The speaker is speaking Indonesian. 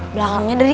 belakangnya dari l